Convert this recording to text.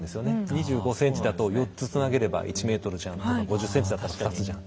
２５ｃｍだと４つつなげれば１ｍじゃんとか５０ｃｍだと２つじゃん。